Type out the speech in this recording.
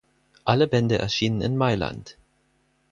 Alle Bände erschienen in Mailand.